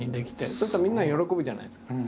そうするとみんなが喜ぶじゃないですか。